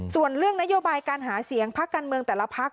ส่วนเรื่องนโยบายการหาเสียงพักการเมืองแต่ละพัก